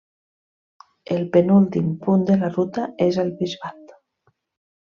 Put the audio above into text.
El penúltim punt de la ruta és El Bisbat.